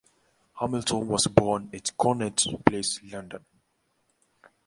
Hamilton was born at Connaught Place, London.